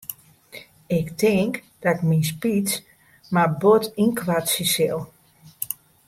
Ik tink dat ik myn speech mar bot ynkoartsje sil.